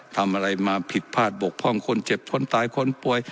ทำอะไรมาผิดพลาดบกพร่องคนเจ็บคนตายคนป่วย